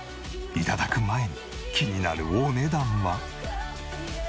頂く前に気になるお値段は？